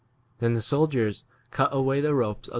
Then the soldiers cut away the ropes of "T.